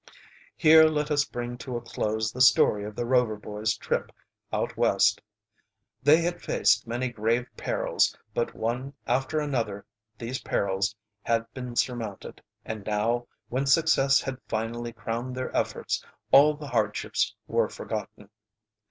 Here let us bring to a close the story of the Rover boys' trip out West. They had faced many grave perils, but one after another these perils had been surmounted, and now, when success had finally crowned their efforts, all the hardships were forgotten.